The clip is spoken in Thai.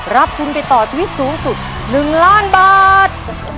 รับทุนไปต่อชีวิตสูงสุด๑ล้านบาท